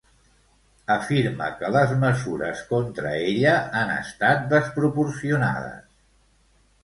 Afirma que les mesures contra ella han estat desproporcionades.